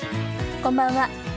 こんばんは。